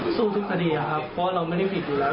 สู้ทุกคดีครับเพราะเราไม่ได้ผิดอยู่แล้ว